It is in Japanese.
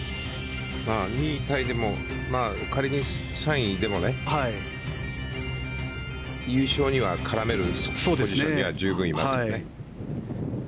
２位タイでも仮に３位でも優勝には絡めるポジションには十分いますよね。